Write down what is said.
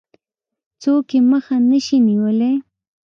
څوک يې مخه نه شي نيولای.